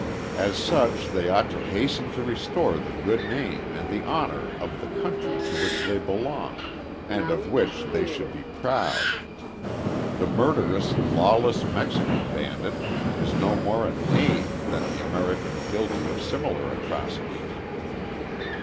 As such they ought to hasten to restore the good name and the honor of the country to which they belong, and of which they should be proud. The murderous, lawless Mexican bandit is no more a knave than the American guilty of similar atrocities.